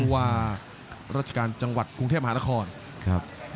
ว่าราชการจังหวัดกรุงเทพมหานครครับ